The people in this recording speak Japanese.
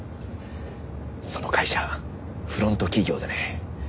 その会社フロント企業でね。